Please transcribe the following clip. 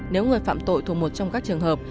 nếu người phạm tội thuộc một trong các trường hợp